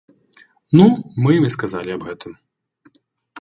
Ну, мы ім і сказалі аб гэтым.